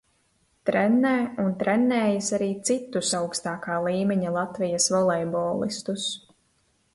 Trenē un trenējis arī citus augstākā līmeņa Latvijas volejbolistus.